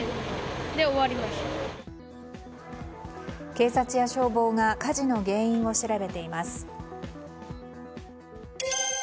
警察や消防が火事の原因を調べています。